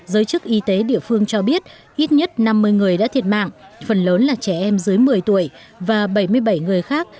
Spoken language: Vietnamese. giới chức y tế địa phương cho biết ít nhất năm mươi người đã thiệt mạng phần lớn là trẻ em dưới một mươi tuổi và bảy mươi bảy người khác